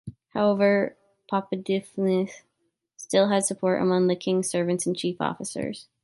However, Papahdilmah still had support among the king's servants and chief officers.